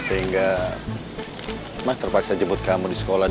sehingga mas terpaksa jemput kamu di sekolah